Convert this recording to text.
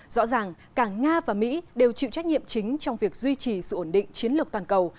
rõ ràng cả nga và mỹ đều chịu trách nhiệm chính trong việc duy trì sự ổn định chiến lược toàn cầu